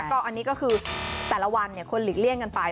ก็อันนี้ก็คือแต่ละวันคนหลีกเลี่ยงกันไป